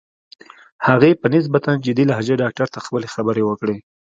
هغې په نسبتاً جدي لهجه ډاکټر ته خپلې خبرې وکړې.